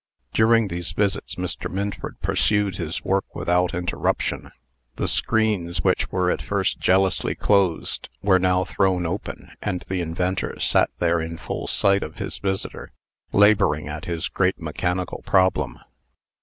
During these visits, Mr. Minford pursued his work without interruption. The screens, which were at first jealously closed, were now thrown open, and the inventor sat there in full sight of his visitor, laboring at his great mechanical problem.